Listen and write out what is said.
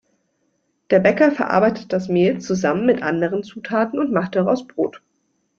Der Bäcker verarbeitet das Mehl zusammen mit anderen Zutaten und macht daraus Brot.